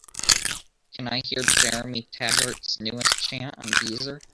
Can I hear Jeremy Taggart's newest chant on Deezer?